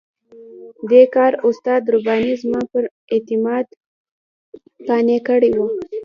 دې کار استاد رباني زما پر اعتماد قانع کړی وو.